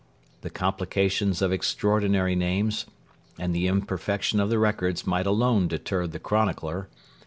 The complications of extraordinary names and the imperfection of the records might alone deter the chronicler.